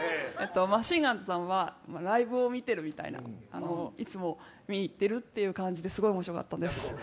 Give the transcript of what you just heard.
マシンガンズさんはライブを見ているみたいないつも見に行っている感じですごく面白かったです。